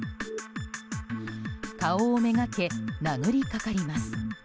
顔をめがけ、殴りかかります。